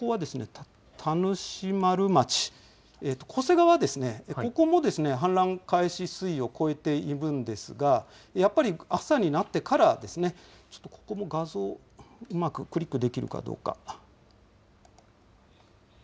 ちょっとここは、田主丸町、巨瀬川はここも氾濫開始水位を超えているんですが、やっぱり朝になってからですね、ちょっとここも画像、うまくクリックできるかどうか。